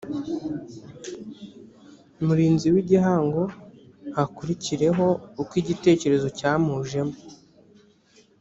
murinzi w igihango hakurikireho uko igitekerezo cyamujemo